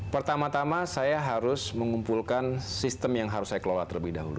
pertama tama saya harus mengumpulkan sistem yang harus saya kelola terlebih dahulu